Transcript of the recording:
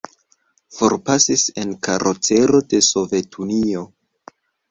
Forpasis en karcero de Sovetunio.